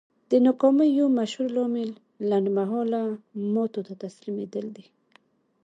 د ناکامۍ يو مشهور لامل لنډ مهاله ماتو ته تسليمېدل دي.